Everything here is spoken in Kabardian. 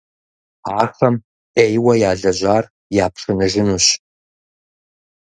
Ахэм Ӏейуэ ялэжьар япшыныжынущ.